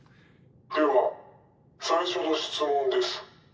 では最初の質問デス。